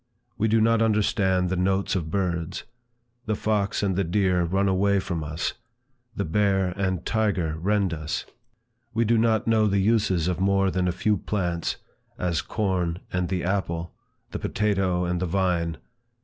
We do not understand the notes of birds. The fox and the deer run away from us; the bear and tiger rend us. We do not know the uses of more than a few plants, as corn and the apple, the potato and the vine.